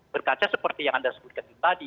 berkaca seperti yang anda sebutkan tadi